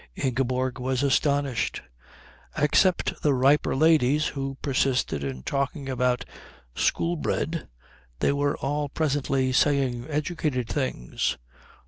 Ingeborg was astonished. Except the riper ladies, who persisted in talking about Shoolbred, they were all presently saying educated things.